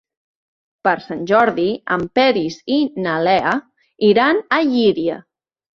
Per Sant Jordi en Peris i na Lea iran a Llíria.